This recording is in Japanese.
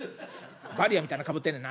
「バリアーみたいなのかぶってんねんな。